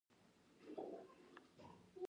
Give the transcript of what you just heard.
پښتو ته باید په هره برخه کې کار وشي.